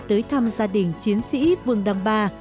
tới thăm gia đình chiến sĩ vương đâm ba